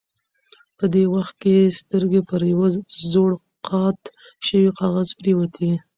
په دې وخت کې یې سترګې پر یوه زوړ قات شوي کاغذ پرېوتې.